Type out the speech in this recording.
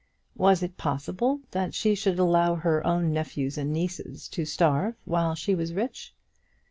Was it possible that she should allow her own nephews and nieces to starve while she was rich?